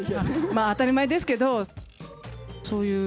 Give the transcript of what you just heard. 当たり前ですけど。